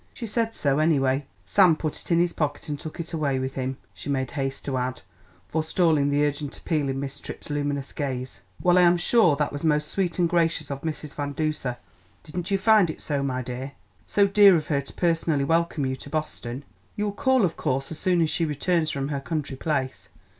She said so, anyway. Sam put it in his pocket and took it away with him," she made haste to add, forestalling the urgent appeal in Miss Tripp's luminous gaze. "Well, I am sure that was most sweet and gracious of Mrs. Van Duser. Didn't you find it so, my dear? So dear of her to personally welcome you to Boston! You'll call, of course, as soon as she returns from her country place.